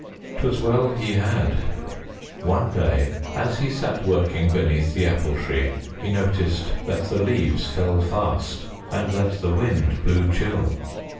'T was well he had. One day as he sat working beneath the Apple Tree, he noticed that the leaves fell fast and that the wind blew chill.